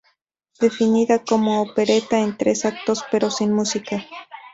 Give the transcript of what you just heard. Definida como "Opereta en tres actos, pero sin música".